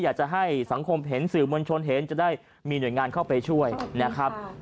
อยากจะให้สังคมเห็นสื่อมวลชนเห็นจะได้มีหน่วยงานเข้าไปช่วยนะครับ